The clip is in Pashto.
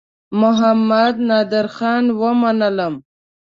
محمدنادرخان ومنلم.